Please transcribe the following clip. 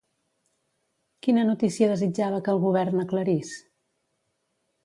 Quina notícia desitjava que el govern aclarís?